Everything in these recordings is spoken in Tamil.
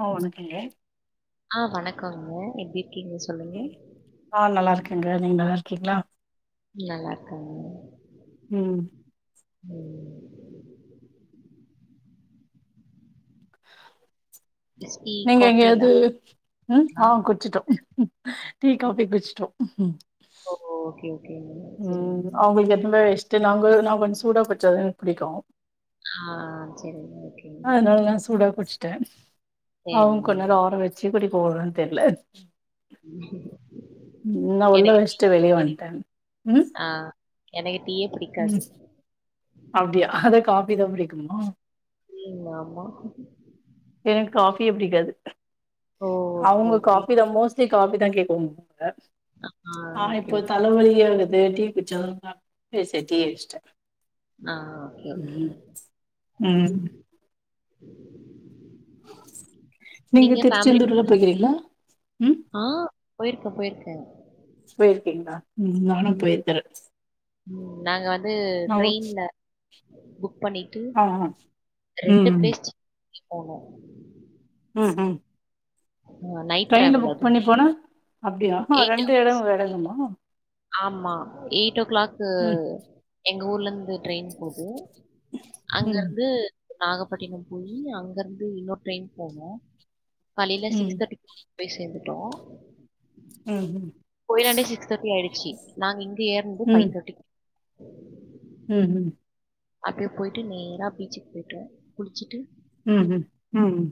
ஆ வணக்கங்க ஆ வணக்கம்ங்க எப்படி இருக்கீங்க சொல் ஆ நல்லா இருக்கங்க நீங்க நல்லா இருக்கீங்களா நல்லா இருக்கங்க ம் ம் டீ, நீங்க காஃபி எங்கேயாவது எல்லாம்ங்களா? ம் ஆ குடிச்சிட்டோம் டீ காஃபி குடிச்சிட்டோம் ஓ ஹோ ஓகே ஓகேங்க. சரிங்க. உம் அவுங்களுக்கு எந்தமாரி இஷ்டம் இல்ல அவுங்க அவுஙகளுக்கு சூடா குடிச்சாதா பிடிக்கும் ஆ சரிங்க, ஆ ஓகேங்க. அதனால நா சூடா குடிச்சிட்டேன் அவுங்க சரிங்க. கொஞ்ச நேரம் ஆர வச்சு கூடிப்பாங்கன்னு தெரியல உம் நா உள்ள வெஷ்ட்டு வெளிய வந்ட்டேன் ஆ எனக்கு டீயே பிடிக்காது அப்படியா அத காஃபி தா பிடிக்குமா உம் ஆமா எனக்கு காஃபியே பிடிக்காது ஓ! ஓகே, அவுங்க ஓகே. காஃபி தா மோஸ்ட் ட்லி காஃபி தா கேக்குவாங்க ஆ ஓகே, இப்போ ஓகே. தலைவலி ஆகுது டீ குடிச்சா தா பேசிட் டீயே வச்சிட்டே ஆ ஓகே, ஓகே. ம் ம் [inaudible] [unintelligible] நீங்க ஃபேமிலி திருச்செந்தூர்ல்லா போய்க்கிறீங்களா ம் ஆ போயிருக்கே போயிருக்கே போயிருக்கீங்களா உம் நானு போயிருக்கறே ம் நாங்க வந்து ஆ ஓ ட்ரெயின்ல புக் பண்ணிட்டு ஆ ஆ ரெண்டு ம் ப்ளேஸ் [inaudible] போனோ ம் உம் அ நைட் ட்ரெயின்ல டிராவல் புக் அதுவும். பண்ணி போனா அப்டியா அ ரெண்டு எடோ எறங்குனு ஆம்மா எயிட் ஓ க்ளாக்கு ம் எங்க ஊர்ல இருந்து ட்ரெயின் போகு ம் அங்கருந்து நாகப்பட்டினம் போயி அங்க இருந்து இன்னொரு ட்ரெயின் போவோ காலைல ம் சிக்ஸ் தேர்ட்டி போய் சேர்ந்துட்டோ ம் போயாண்டி சிக்ஸ் தேர்ட்டி ஆயிடுச் நாங்க இங்க ஏறனது ம் ஃபைவ் ம் தேர்ட்டி ம் உம் அப்டியே போயிட்டு நேரா பீச்சுக் போயிட்டோ குளிச்சிட்டு ம் ம் ம்ம்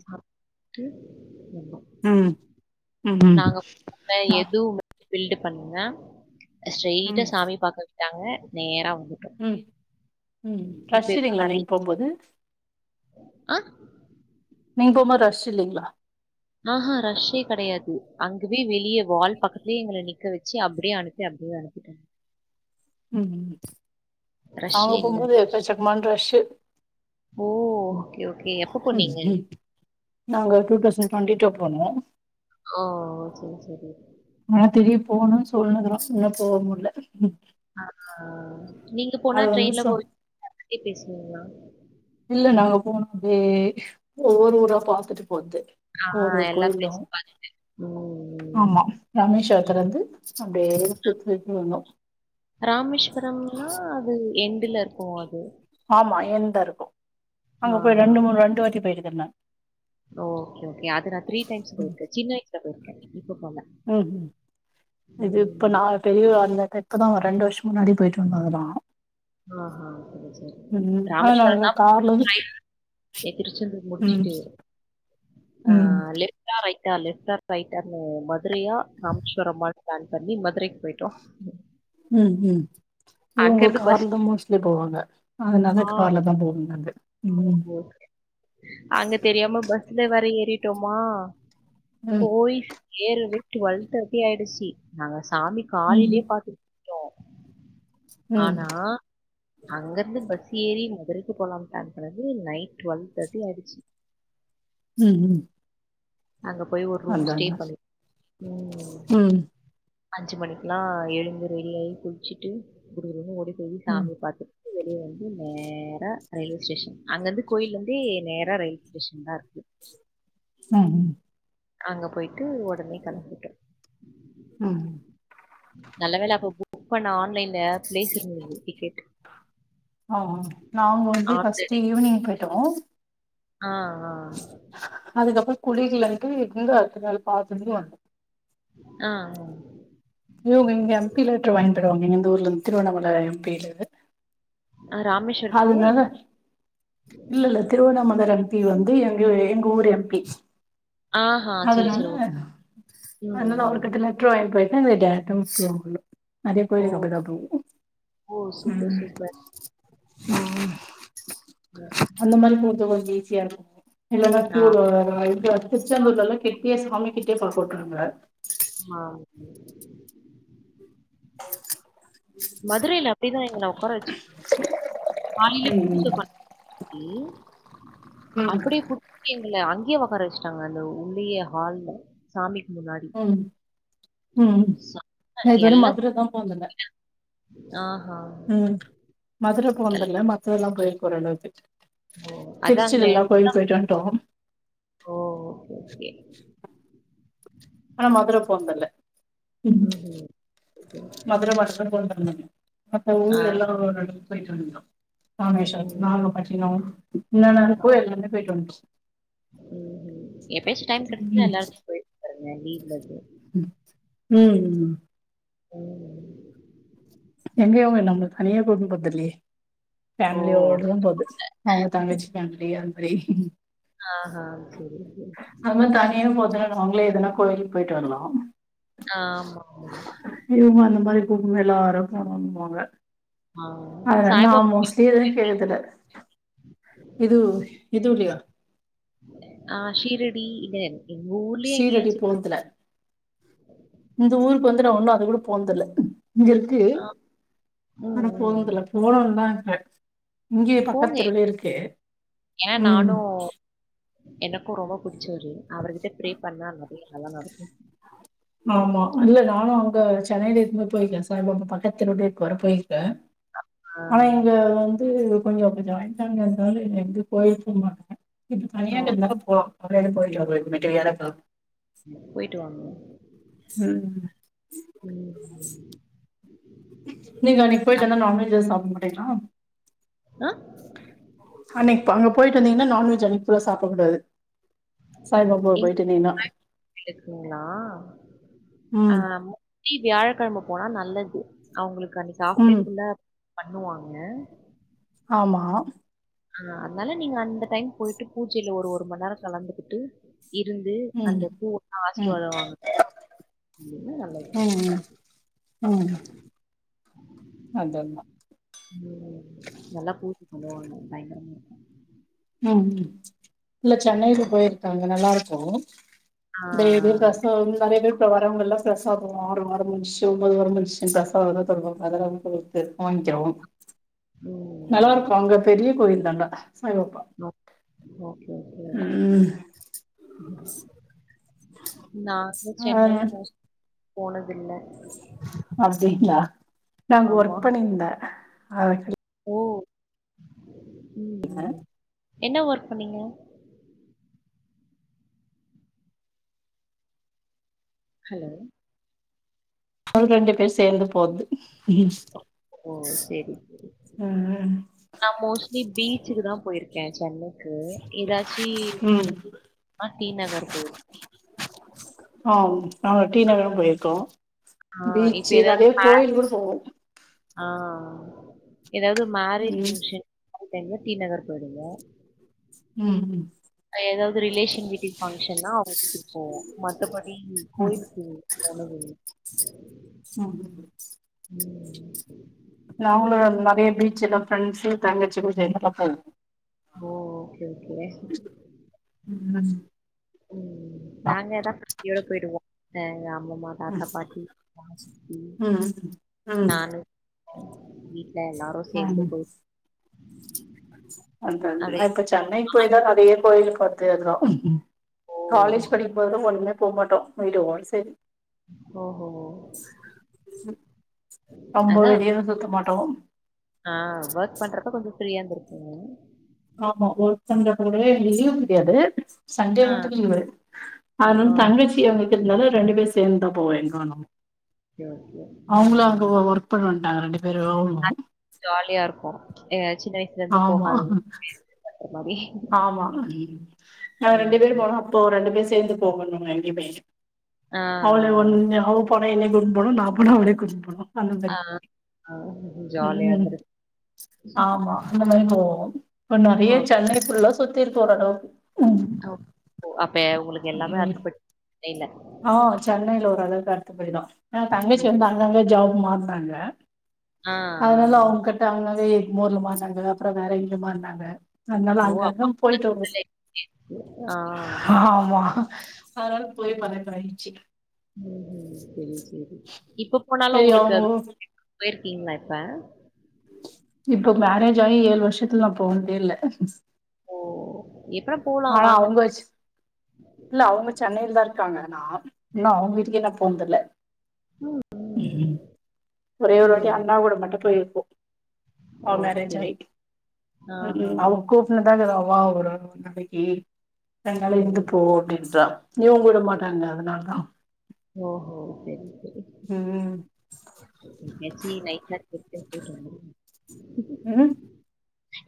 ம் ம் [inaudible] ம் நாங்க ஆ [inaudible] எதுவு பில்டு பண்ண ம் ஸ்ட்ரெயிட்டா சாமி பாக்க விட்டாங்க நேரா வந்துடோ ம் ம் ரஷ் இல்லேங்களா நெறைய நீங்க போம்போது ஆ நீங்க போமோது ரஷ் இல்லேங்களா ஆஹா ரஷ்ஷே கெடையாது அங்கவே வெளிய வால் பக்கத்துலயே எங்கள நிக்க வச்சு அப்டியே அனுப் யே அப்டியே அனுப்பிட்டாங்க ம் நாங்க ரஷ்ஷே இல்ல. போம்போது எக்க சக்கமான ரஷ்ஷு ஓ ஓகே ஓகே எப்ப ம் போனீங்க ம் நாங்க டூ தெளசண்ட் டுவெண்டி டூ போனோ ஓ சேரி சேரி ஆனா திரியு போணுன் சொல்லுணு இதெல்லா இன்னு போ முட்ல ஆ நீங்க போனா அது வந்து ட்ரெயின்ல சொ [inaudible] பேசுவீங்களா இல்ல நாங்க போனோ [unintelligible] ஒவ்வொரு ஊரா பாத்துட்டு போறது ஒவ்வொரு கோயிலு உம் ஆமா ராமேஷ்வரத்தலருந்து அப்டியே சுத்தியிட்டு வந்தோ ராமேஸ்வரம்னா அது என்டுல இருக்கு அது ஆமா எந்தா இருக்கு அங்க போய் ஆஹா. ரெண்டு மூன் ரெண்டு வாட்டி போயிருக்கறே நான் ஓக்கே ஓகே அது நா த்ரீ டைம்ஸ் போயிருக்கே சின்ன வயசுல போயிருக்கே இப்ப போல ம்ம் இது இப்ப ம். நா பெரிய [unintelligible] இப்பதா ஒரு ரெண்டு வருஷோ முன்னாடி போயிட்டு வந்தோ அதலா ஆ ஆ சேரி சேரி ஆனா ராமேஸ்வர நாங்க தா [inaudible] கார்ல எ திருச்செந்தூர் ம் முடிச்சிட்டு ஆ ம் லெ லெஃப்டா ரைட்டா லெஃப்டா ரைட்டானு மதுரையா ராமேஸ்வரம்மான் ப்ளான் பண்ணி மதுரைக் போய்டோ ம் ம் இவங்க அங்கிருந்து பஸ் கார்ல தா மோஸ்ட்லி போவாங்க அதனால தா கார்ல தா போவோ நாங்க அங்க தெரியாம பஸ்ல வேற ஏறிட்டோமா ம் போலீஸ் ஏறவே டுவெல் தேர்ட்டி ஆயிடுச்சி நாங்க சாமி ம் காலைலயே பாத்து ட்டோ ம் ஆனா அங்க இருந்து பஸ் ஏறி மதுரைக்கு போலாம்னு பிளான் பண்ணி நைட் டுவெல்வ் தேர்ட்டி ஆயிடுச்சு ம் ம் அங்க போய் ஒரு ரூம் ஸ்டே அதான்டா பண்ணி ம் ம் அஞ்சு மணிக்கெல்லா எழுந்து ரெடியாயி குளிச்சுட்டு குடுகுடுன்னு ஓடி போயி ம் ம் சாமிய பாத்து வெளிய வந்து நேரா ரயில்வே ஸ்டேஷன் அங்க இருந்து கோயில இருந்தே நேரா ரயில்வே ஸ்டேஷன் தா இருக்கும் ம் ம் அங்க போயிட்டு உடனே கிளம்பிட்டோம் ம் நல்ல வேல அப்ப புக் பண்ண ஆன்லைன்ல பிளேஸ் இருந்தது டிக்கெட் ஆ ஆ நாங்க வந்து ஃபர்ஸ்ட் ஆல்ரெடி ஈவி்னிங் போயிட்டோ ஆ ஆ அதுக்கப்ற குளிர்ல இருந்து அடுத்த நாள் பார்த்துட்டு வந் ஆ இவுங்க இங்க எம் பி லெட்டரு வாங்கிதருவாங்க இந்த ஊர்லந்து திருவண்ணாமலை எம்பிட்ட இருந்து அது இராமேஸ்வரத்துலயா எங்க இல்ல இல்ல திருவண்ணாமலை எம்பி வந்து எங்க எங்க ஊர் எம்பி ஆஹா சரி அதனால சரி ஓகே ம் அதனால அவர் ம். கட்டுல லெட்டர் வாங்கிட்டு போயிட்டா அங்க டைரக்டா விட்டுருவாங்க உள் நிறைய ஓ கோயிலுக்கு அப்டிதா போவோ ஓ சூப்பர் ம் சூப்பர் அந்த மாரி கொடுத்தா கொஞ்சோ ஈசியா இருக்கு இல்லைனா கியூல வர்ற மாறி எங்க திருச்செந்தூர்ல எல்லா கிட்டியே சாமி கிட்டியே பாக்க உட்றாங்க ஆ அப்டி மதுரயில அப்டிதா எங்கள உட்கார வச்சுக் காலையில பூஜ ம் பண்ண ம் அப்படியே குடு இங்க எங்கள அங்கயே உட்கார வச்சுட்டாங்க அந்த உள்ளயே ஹால்ல சாமிக்கு முன்னாடி உம் செம்ம நா இதுவர எல்லாம் மதுர தூ- தா போனதில்ல ஆஹா. ம் மதுர போனதில் எல்லாம் இல்ல மத்ததெல்லாம் கோயில் போற அளவுக்கு ஓ! அதாங்க. திருச்சில எல்லா கோயிலு போய்ட்டு வன்ட்டோம் ஓ ஓகே ஓகே ஆனா மதுர போனதில்ல ம் ம் மதுர பஸ் தா போனதில்ல மத்த ஆ. ஊர் எல்லாம் ஒரளவுக்கு போய்ட்டு வண்டோம் ராமேஷ்வரம் ம். நாகப்பட்டினம் என்னன்னா இருக்கோ எல்லாமே போய்ட்டு வண்டோம் ம் ம் எப்ப யாச்சு டைம் கெடச்சதுன்னா ம் எல்லா எடத்துக்கும் போய் பாருங்க லீவ்ல வந்து ம் ம் ம் எங்கயும் அவங்க நம்பள தனியா கூட்டுப்போறது இல்லயே ஓ! ஃபேமிலியோடதான் போது அவங்க தங்கச்சி ஃபேமிலி அந்த மாரி ஆ ஹா செரி அது மாதிரி தனியா போதுன நாங்களே எதுனா கோயிலுக்கு போயிட்டு வர்லா அ ஆமா இவங்க அந்த மாரி கூப்புனும் எல்லாரு போணும்பாங்க ஆ அதனால நா சாய்பாபா கோயிலுக்கு மோஸ்ட்லி எதுவு போயிருக்கீங் கேட்டதில்ல இது இது இல்லயா ஆ ஷிரடி இல்ல எங்க ஊருலயே சீரடி எங்கயாச்சு போய் போனதில்ல இந்த ஊருக்கு வந்து நா ஒன்னு அது கூட போனது இல்ல இங்க இரு க்கு ஆ. ம், ஆனா போனது இல்ல ம். போலான் தா இருக்கே இங்கயே போங்க. பக்கத்து தெருவுலே இருக்கு ம் எனக்கு ரொம்ப புடிச்சவரு அவர்கிட்ட ஃப்ரே பண்ணா நெறய நல்லா நடக்கு ஆமா இல்ல நானு அங்க சென்னையில இருக்கும் போது போயிருக்கே சாய் பாபா பக்கத்து தெருவுலே இருக்காரு போயிருக்கே ஆ. ஆனா இங்க வந்து கொஞ்ச அப்டி ஜாயின் ஃபேமிலியா இருக்கனால எங்கயும் போயிருக்க மாட்டே இப்ப ஆ தனியா இருக்கனால போ போயிட்டு வாங்க ம் ம் நீங்க அன்னைக்கு போய்ட்டு வந்தா நான்வெஜ் எது சாப்பிட மாட்டிங்களா அ அன்னைக்கு இப்ப அங்க போய்ட்டு வந்திங்கன்னா நான்வெஜ் அன்னைக்கு ஃபுல்லா சாப்பிடக்கூடாது சாய்பாபாவ போயிட்டு வந்தீங்கன்னா. [inaudible] இருக்குங்களா ம். ஆமா டி வியாழக்கிழம போனா நல்லது அவுங்களுக்கு அன்னைக்கு ஹாப்டே ம். புல்லா பண்ணுவாங்க ஆமா ஆ அதனால நீங்க அந்த டைம் போய்ட்டு பூஜையில ஒரு ஒரு மணிந்நேரம் கலந்துகிட்டு இருந்து ம். அந்த பூ எல்லா ம். ஆசிர்வாதம் வாங்கனு அ அதல்லா உ நல்லா பூஜ பண்ணுவாங்க பயங்கரமா இருக்கு ம் இல்ல சென்னைல போயிருக்காங்க நல்லா இருக்கும் ஆ, ஆ. டெய்லியு பஸ் இப்ப வந்து நெறய பேரு வரவங்க எல்லா பிரசாதம் ஆறு வாரம் முடிஞ்சுடுச்சு ஒன்பது வாரம் முடிஞ்சுடுச்சு பிரசாதமெல்லாம் தருவாங்க அதெல்லம் அவங்க வாங்கிக்கிறோ நல்லா இருக்கும் ம், அங்க பெரிய கோயில் தாண்டா சாய்பாப்பா நோ ஓகே ஓகே ம் ம் நா வந்து ஆ சென்னையில மோஸ்லி போனதில்ல அப்டிங்களா நா அங்க ஆமா. ஒர்க் பண்ணியிருந்தே அத ஓ ம் ம் என்ன ஒர்க் பண்ணீங்க ஹலோ ஒரு ரெண்டு பேர் சேந்து போது ஓ சேரி ம் நான் மோஸ்ட்லி பீச்சுக்கு தா போயிருக்கே சென்னை இருக்கு ஏதாச்சி ம் ஆ டி நகர் போய் ஆம் நாங்க டீ நகரும் போயிருக்கோ ஆ இப்ப பீச்சு ஏதாவது நறைய மே கோயில் கூட போவோ ஆ எதாது மேரேஜ் ம் பங்க்ஷன் அங்கருந்து டீ நகர் போயிடுங்க ம் ம் எதாவது ரிலேஷன் வீட்டிங் பங்க்ஷன்னா அவுங்க வீட்டுக்கு போவோ மத்தபடி ம் கோயிலுக்கு போனதில்ல ம் ம் இல்ல அவங்களோட நெறைய பீச்சுல ஃப்ரெண்ட்ஸ் தங்கச்சி புருஷன் எத பாப்பாரு ஓ ஓகே ஓகே ம் ம் நாங்கதா பட்டினியோட போயிடுவோ அம்மம்மா ம் தாத்தா பாட்டி சித்தப்பா சித்தி ம் நானு வீட்டு்ல எல்லாரு ம் சேந்து போயி அதான் அப்படியே அப்ப சென்னைக்கு போயிதா நெறைய கோயிலு பாத்து வந்தோ ஓ! காலேஜ் படிக்கும்போது ஒண்ணுமே போக மாட்டோ விடோட சேரி ஓஹோ! ரொம்ப அதான் வெளியளா சுத்த மாட்டோ ஆ ஒர்க் பண்றப்ப கொஞ்சோ ஃப்ரீயா இருந்துருப்பீங்க ஆமா ஒரு ஓர்க் பண்றப்ப லீவு கிடையாது சண்டே ஆ. மட்டு லீவு ஆ. ஆனாலு தங்கச்சி வந்துருக்கிறதுனால ரெண்டு பேர் சேர்ந்துந்தா போவோ எங்கவேணாலு ஓகே, ஓகே. அவுங்களு அங்க ம். ஒர்க் பண்ணட்டாங்க ரெண்டு பேரும் ஓடனு ஜாலியா இருக்கு சின்ன வயசுல இருந்து ஆமா போகாதது இது பண்ற மாரி ஆமா ம் நாங்க ரெண்டு பேரும் ம். போறோ அப்போ ரெண்டு பேரும் சேர்ந்து போகணு ரெண்டு பேரு ஆ. அவளே ஒன்ன அவ போனா என்ன கூட்டிட்டு போகனு நான் போனா அவள கூட்டின்னு போகணு அந்த ஆ. மாரி ஆ. ஜாலியா ம் இருந்திருக்கும். ஆமா அந்த மாதிரி போவோ இப்ப ஓ நெறைய சென்னைஃபுல்லா சுத்திருப்போ நாங்களா அப்பே உங்களுக்கு எல்லாமே அத்துப்படி சென்னைல ஆ சென்னையில ஒரு அளவுக்கு அத்துபடி தா ஆ ம். தங்கச்சி வந்து அங்கங்க ஜாப் மாறுனாங்க ஆ, அதனால ஆ. அவங்க கிட்ட அவங்களாவே எக் மோர் மறுநாங்க அப்றோ வேற எங்கயோ மாறுனாங்க அதுனால ஓ! அங்கக்க போயிட்டு வருவோ அப்பாலே ஆ. ஆமா அதுனால போய் பழக்கமாயிருச்சு ம் ஹம் சேரி சேரி இப்ப போனாலு சரி உங்களுக்கு அது அவங்க போயிருக்கீங்களா இப்ப இப்ப மேரேஜ் ஆகி ஏழு வருஷத்துல நா போனதே இல்ல ஓ ஏப்பாப் ஆனா அவுங்க இஸ் இல்ல அவுங்க சென்னையில தா இருக்காங்க நா இன்னும் அவுங்க வீட்டுக்கே போனது இல்ல ம் ஒரே ஒரு வாட்டி ம். அண்ணா கூட மட்டு போயிருக்கோ அவ மேரேஜ் ஓகே. ஆய் ஆஹா. ம் அவோ கூப்புட்டுனு தா இருக்க வா ஒரு நாளைக்கி ரெண்டு நாள் ம். இருந்துட்டு போ அப்டின்றா இவுங்க உட மாட்டாங்க அதுனால தா ஓஹோ சேரி சேரி ம் எப்டியாசு நைட்லா டொக்குனு போய்டு வந்துருவோ ம்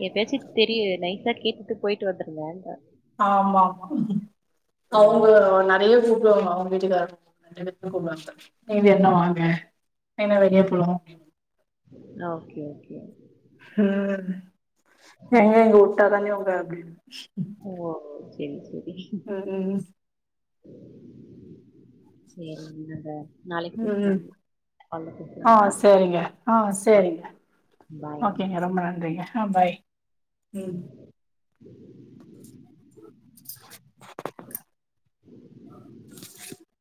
எப்பையாச்சு தெரியு நைசா கேட்டுட்டு போயிட்டு வந்துரலாங்குற ஆமா ஆமா அவுங்க ம். நெறைய கூப்டுவாங்க அவுங்க வீட்டுக்காரவங்க கண்டணும் தூக்க வரல நீ என்னா வாங்க எங்கன வெளிய ம். போலு ஓகே ஓகே ம் எங்க என்ன ஊட்டாதானே உங்கள அப்டி ஓ சேரி சேரி ஆ ஆ ம் சேரி என்னத ம் ம் ஆ சேரிங்க ஆ சேரிங்க ஓகேங்க ரொம்ப நன்றிங்க அ பாய் ம் [unintelligible] [unintelligible]